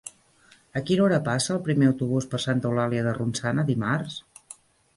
A quina hora passa el primer autobús per Santa Eulàlia de Ronçana dimarts?